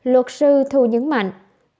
luật sư thu nhấn mạnh